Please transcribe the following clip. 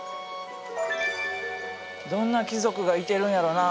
どんな貴族がいてるんやろな。